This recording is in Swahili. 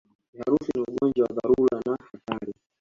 Kiharusi ni ugonjwa wa dharura na hatari